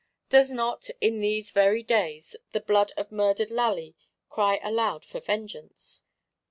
Does not, in these very days, the blood of murdered Lally cry aloud for vengeance?